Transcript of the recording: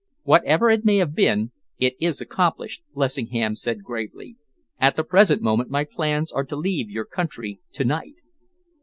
"Whatever it may have been, it is accomplished," Lessingham said gravely. "At the present moment, my plans are to leave your country to night."